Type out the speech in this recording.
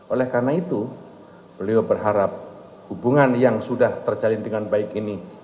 oleh karena itu beliau berharap hubungan yang sudah terjalin dengan baik ini